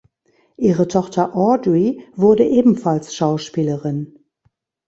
Ihre Tochter Audrey wurde ebenfalls Schauspielerin.